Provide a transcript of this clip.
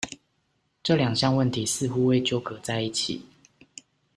這兩項問題似乎會糾葛在一起